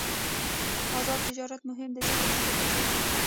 آزاد تجارت مهم دی ځکه چې ګټه زیاتوي.